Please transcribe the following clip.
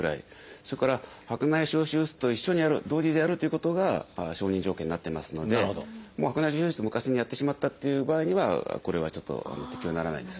それから白内障手術と一緒にやる同時でやるということが承認条件になってますので白内障手術昔にやってしまったっていう場合にはこれはちょっと適用にならないんですね。